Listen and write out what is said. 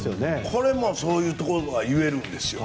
これもそういうところが言えるんです。